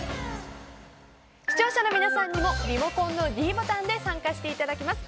視聴者の皆さんにもリモコンのｄボタンで参加していただきます。